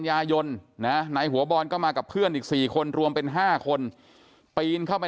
ยายนนะนายหัวบอลก็มากับเพื่อนอีก๔คนรวมเป็น๕คนปีนเข้าไป